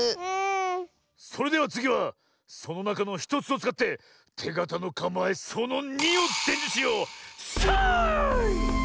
それではつぎはそのなかの１つをつかっててがたのかまえその２をでんじゅしよう。さい！